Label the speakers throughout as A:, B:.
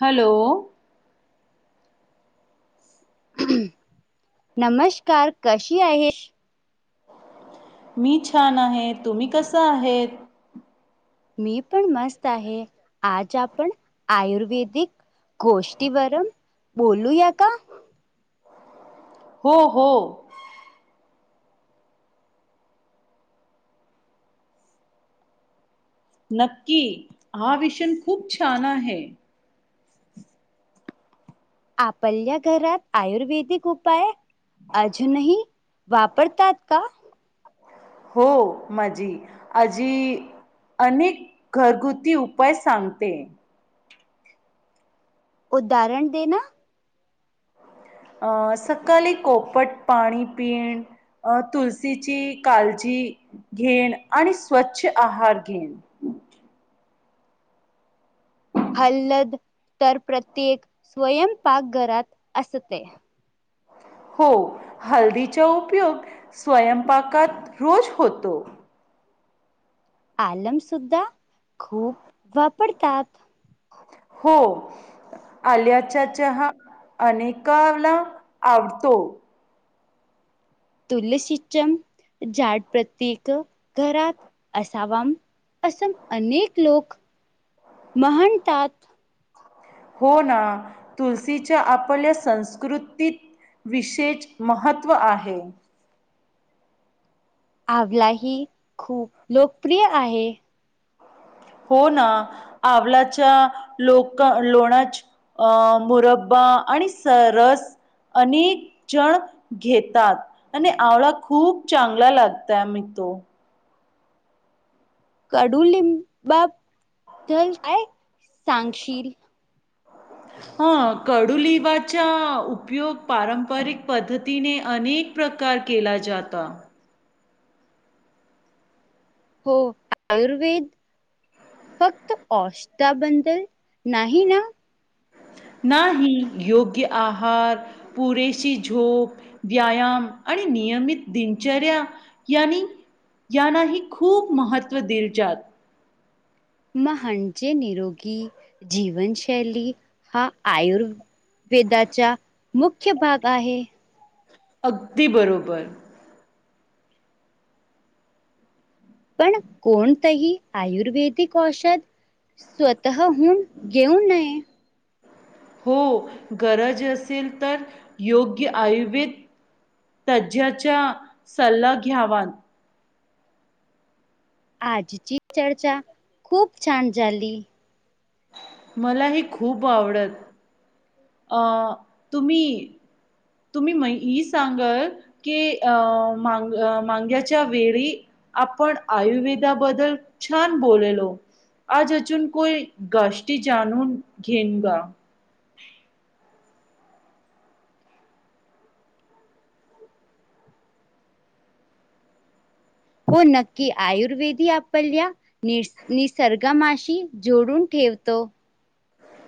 A: Hello.
B: नमस्कार कशी आहे?
A: मी छान आहे. तुम्ही कसं आहेत?
B: मी पण मस्त आहे. आज आपण आयुर्वेदिक गोष्टीवरून बोलूया का?
A: हो हो. नक्की हा विषय खूप छान आहे.
B: आपल्या घरात आयुर्वेदिक उपाय अजूनही वापरतात का?
A: हो माझी आजी अनेक घरगुती उपाय सांगते.
B: उदाहरण देना?
A: सकाळी कोपट पाणी पिन अं तुलसीची काळजी घेन आणि स्वच्छ आहार घेन.
B: हलद तर प्रत्येक स्वयंपाक घरात असते.
A: फुफु... हो हळदीचा उपयोग स्वयंपाकात रोज होतो.
B: आलम सुद्धा खूप वापरतात.
A: हो. आल्याचा चहा अनेकाला आवडतो.
B: तुळशीच झाड प्रत्येक घरात असावा असं अनेक लोक म्हणतात.
A: होना तुलसच्या आपल्या संस्कृतीत विशेष महत्त्व आहे.
B: आवलाही खूप लोकप्रिय आहे.
A: होना आवलाच्या लोक लोणा अ मुरब्बा आणि सरस अनेक जण घेतात. आणि आवळा खूप चांगला लागताय मी तो.
B: कडुलिंबाबदल काय सांगशील?
A: ह [unintelligible] हा कडू लिंबाच्या उपयोग पारंपरिक पद्धतीने अनेक प्रकार केला जाता.
B: हो आयुर्वेद फक्त औषदाबंदल नाही ना?
A: नाही योग्य आहार पुरेशी झोप व्यायाम आणि नियमित दिनचर्या यानी यानाही खूप महत्व दिलज्यात.
B: माहांजे निरोगी जीवनशैली हा आयुर वेदाच्या मुख्य भाग आहे.
A: अगदी बरोबर.
B: पण कोणतही आयुर्वेदिक औषध स्वतः हून गेऊ नये
A: हो गरज असेल तर योग्य आयुर्वेद तज्ज्याच्या सल्ला घ्यावा.
B: आजची चर्चा खूप छान झाली.
A: मलाही खूप आवडत अ तुमी तुमी म ही सांगत कि अ मांग मांग्याच्या वेळी आपण आयुर्वेदाबद्दल छान बोललो. आज अजून कोई गाष्टी जाणून घेन गा.
B: हो नक्की आयुर्वेदी आपल्या नि निसर्गमाशी जोडून ठेवतो.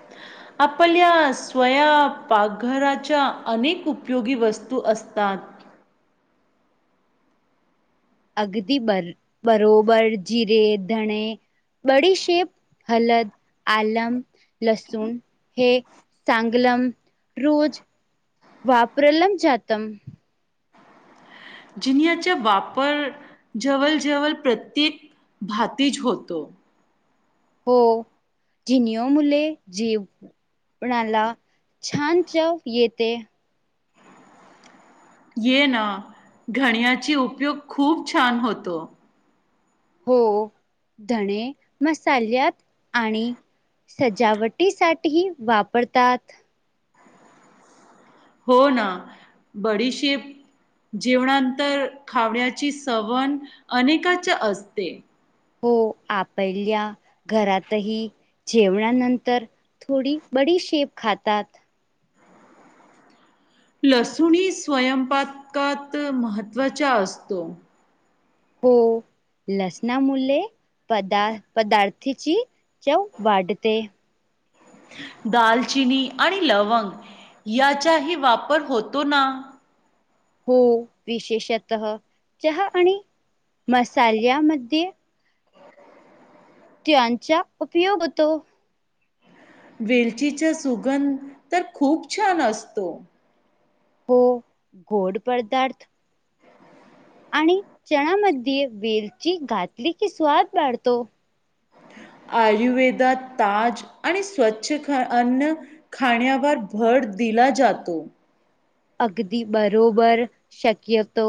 A: हा. आपल्या स्वयापाकघराच्या अनेक उपयोगी वस्तू असतात.
B: अगदी बर बरोबर जिरे धणे बडीशेप हलद आलम लसूण हे चांगलम रोज वाप्रलम जातम.
A: जिनयाचा वापर जवळ जवळ प्रत्येक भातीज होतो.
B: हो जिनओ मुले जेव कोणाला छान चव येते.
A: ये ना घण्याची उपयोग खूप छान होतो.
B: हो धणे मसाल्यात आणि सजावटीसाठी वापरतात.
A: हो ना बडीशीप जेवणान्तर तर खावण्याची सवण अनेकाच्या असते.
B: हो आपल्या घरातही जेवणानंतर थोडी बडी शेप खातात.
A: लसूणी स्वयंपाकात महत्त्वाच्या आसतो.
B: हो. लसनामुले पदार पदार्थची चव वाढते.
A: दालचिनी आणि लवंग याचाही वापर होतो ना?
B: हो विशेषतह चहा आणि मसाल्यामध्ये त्यांचा उपयोग होतो.
A: वेलचीचा सुगंध तर खूप छान आसतो.
B: हो गोड पदार्थ आणि चहामध्ये वेलची घातली की स्वाद वाढतो.
A: आयुर्वेदा ताज आणि स्वच्छ ख अन्न खाण्यावर भर दिला जातो.
B: अगदी बरोबर शक्यतो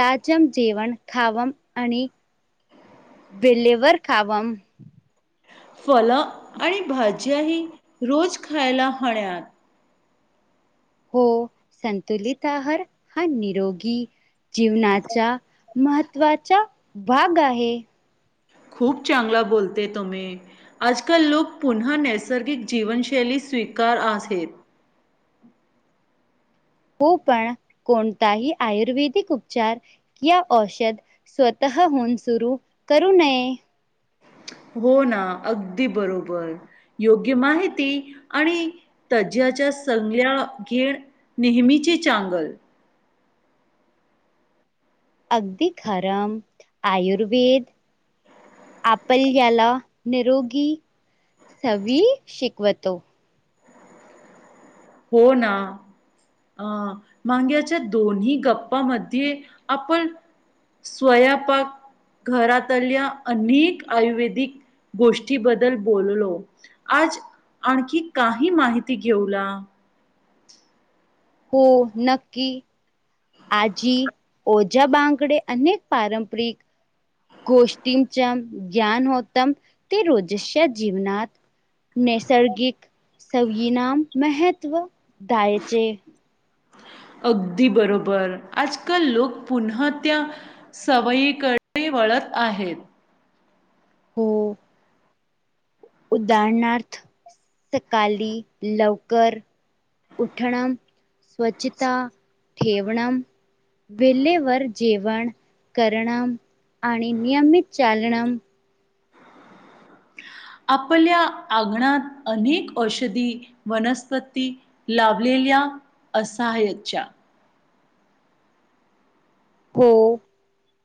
B: ताजम जेवण खावम आणि बेल्लेवर खावम
A: फल आणि भाज्या हि रोज खायला हाण्यात.
B: हो, संतुलित आहार हा निरोगी जीवनाच्या महत्त्वाचा भाग आहे.
A: खूप चांगला बोलते तुम्ही! आजकल लोक पुन्हा नैसर्गिक जीवनशैली स्वीकार आहेत.
B: हो, पण कोणताही आयुर्वेदिक उपचार या औषध स्वतःहून सुरू करू नये.
A: हो ना, अगदी बरोबर! योग्य माहिती आणि तज्ञांच्या संगल्या घेण नेहमीची चांगल.
B: अगदी खरम, आयुर्वेद आपण याला निरोगी सवयी शिकवतो.
A: हो ना! अं, मांग्याच्या दोन्ही गप्पामध्ये आपण स्वयापाक घरातल्या अनेक आयुर्वेदिक गोष्टी बद्दल बोललो. आज आणखी काही माहिती घेऊला?
B: हो, नक्की. आजी ओझा बांगडे अनेक पारंपरिक गोष्टींच्या ज्ञान होत. ते रोजश्या जीवनात नैसर्गिक सवयींना महत्त्व द्यायचे.
A: अगदी बरोबर. आजकल लोक पुन्हा त्या सवयीकडे वळत आहेत.
B: हो. उदाहरणार्थ सकाली लवकर उठणम् स्वच्छिता ठेवणम्. विल्हेवर जेवण करणम् आणि नियमित चालणम्.
A: आपल्या अंगणात अनेक औषधी वनस्पती लाभलेल्या असाह्यच्या.
B: हो, ओ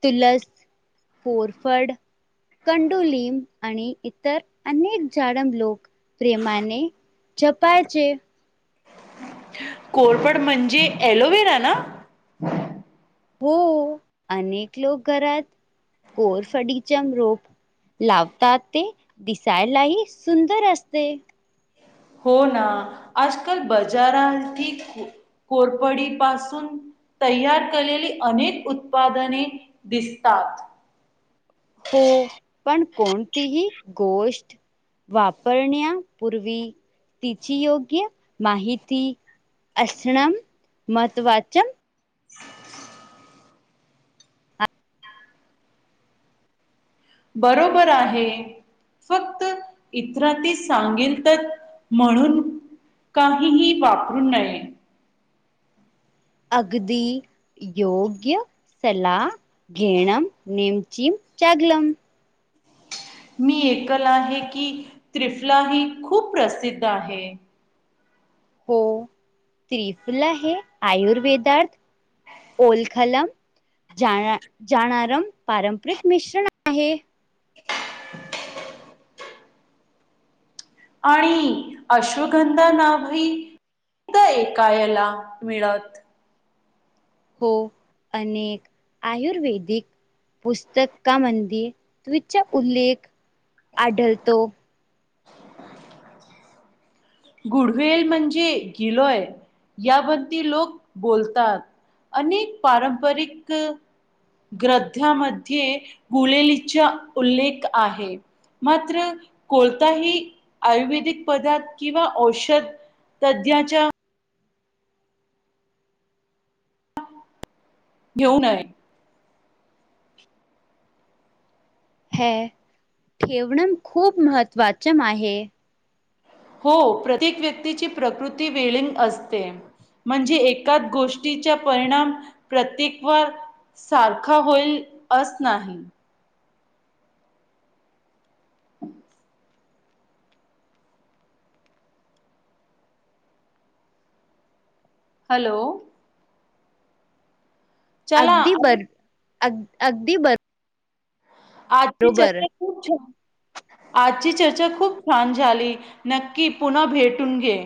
B: तुलस, कोरफड कंडुलीम आणि इतर अनेक जाडम् लोक प्रेमाने जपायचे.
A: कोरफड म्हणजे एलोवेरा ना?
B: हो, ओ, अनेक लोक घरात कोरफडीच्या रोप लावतात ते दिसालाही सुंदर असते.
A: हो ना, आजकल बजारांकी कोरफडी पासून तय्यार केलेली अनेक उत्पादने दिसतात.
B: हो, पण कोणतीही गोष्ट वापरण्यापूर्वी तिची योग्य माहिती अशणम् महत्वाचम्.
A: बरोबर आहे. फक्त इतरांनी सांगिलतर म्हणून काहीही वापरू नये.
B: अगदी योग्य सल्ला घेणम् नेमचीम् चागलम्.
A: मी ऐकलं आहे, की त्रिफला ही खूप प्रसिद्ध आहे.
B: हो, त्रिफला हे आयुर्वेदात ओलखलम् जाणा जाणारम् पारंपरिक मिश्रण आहे.
A: आणि अश्वगंधा नावही हे ऐकायला मिळत.
B: हो अनेक आयुर्वेदिक पुस्तकामध्ये त्विच उल्लेख आढळतो?
A: गुडवेल म्हणजे गिलोय यावरती लोक बोलतात? अनेक पारंपरिक ग्रंथामध्ये गुलेलीचा उल्लेख आहे? मात्र कोणताही आयुर्वेदिक पदार्थ किंवा औषध तज्ज्ञांच्या घेऊ नये.
B: हे ठेवण खूप महत्त्वाच म आहे.
A: हो प्रत्येक व्यक्तीची प्रकृती वेलींग असते. म्हणजे एकाच गोष्टीचा परिणाम प्रत्येक वार सारखा होईल अस नाही. [inaudible] हॅलो! चला
B: अगदी
A: आपण
B: बर अगदी अगदी बर.
A: आजची चर्चा खूप छान. आजची चर्चा खूप छान झाली नक्की पुन्हा भेटून घे